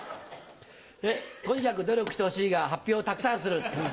「とにかく努力してほしい」が「発表をたくさんする」。